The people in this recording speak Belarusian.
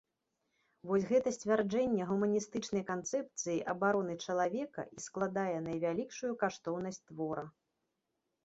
Вось гэта сцвярджэнне гуманістычнай канцэпцыі абароны чалавека і складае найвялікшую каштоўнасць твора.